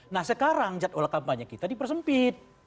nah sekarang jadwal kampanye kita dipersempit